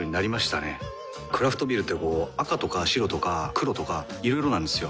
クラフトビールってこう赤とか白とか黒とかいろいろなんですよ。